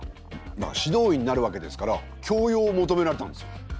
だから指導員になるわけですから教養を求められたんですよ。